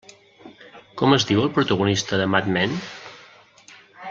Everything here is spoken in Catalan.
Com es diu el protagonista de Mad Men?